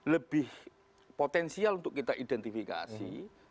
lebih potensial untuk kita identifikasi